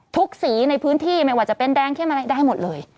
ทุกศีลในพื้นที่ไม่ว่าจะเป็นแดงเครียงมาแรงได้หมดเลย